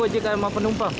ojek sama penumpang